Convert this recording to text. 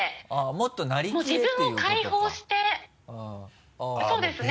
もう自分を解放してそうですね。